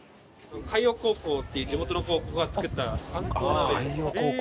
海洋高校っていう地元の高校が作ったあんこう鍋。